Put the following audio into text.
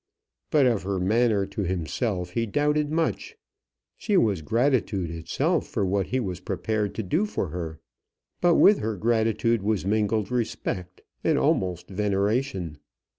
But of her manner to himself he doubted much. She was gratitude itself for what he was prepared to do for her. But with her gratitude was mingled respect, and almost veneration.